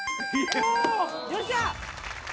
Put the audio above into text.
よっしゃ！